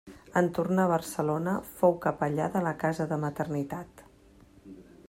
En tornar a Barcelona fou capellà de la Casa de Maternitat.